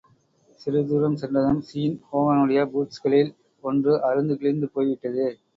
சிறிதுதூரம் சென்றதும் ஸீன் ஹோகனுடைய பூட்ஸ்களில் ஒன்று அறுந்து கிழிந்துபோய்விட்டது.